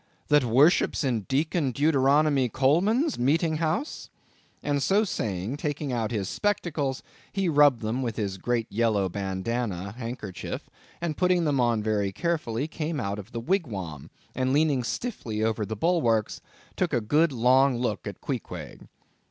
that worships in Deacon Deuteronomy Coleman's meeting house?" and so saying, taking out his spectacles, he rubbed them with his great yellow bandana handkerchief, and putting them on very carefully, came out of the wigwam, and leaning stiffly over the bulwarks, took a good long look at Queequeg.